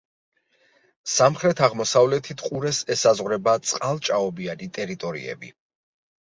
სამხრეთ-აღმოსავლეთით ყურეს ესაზღვრება წყალ-ჭაობიანი ტერიტორიები.